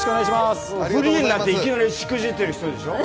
フリーになっていきなりしくじってる人でしょ？